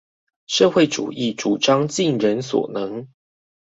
社會主義主張盡人所能